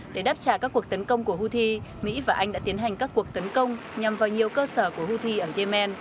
để đáp trả các cuộc tấn công của houthi mỹ và anh đã tiến hành các cuộc tấn công nhằm vào nhiều cơ sở của houthi ở yemen